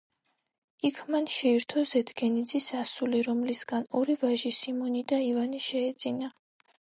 იქ მან შეირთო ზედგენიძის ასული, რომლისგან ორი ვაჟი, სიმონი და ივანე შეეძინა.